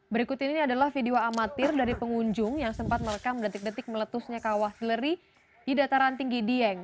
berikut ini adalah video amatir dari pengunjung yang sempat merekam detik detik meletusnya kawah sileri di dataran tinggi dieng